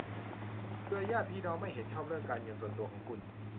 เครือญาติพี่น้องไม่เห็นชอบเรื่องการเงินส่วนตัวของคุณ